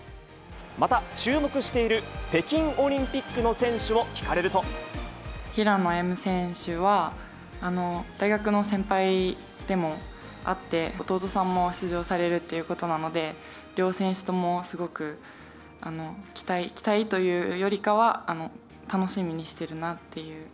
また注目している北京オリン平野歩夢選手は、大学の先輩でもあって、弟さんも出場されるということなので、両選手とも、すごく期待、期待というよりかは、楽しみにしているなっていう。